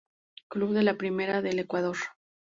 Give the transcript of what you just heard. Club de la primera del Ecuador.